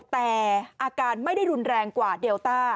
แต่อาการไม่ได้รุนแรงกว่าเดลต้า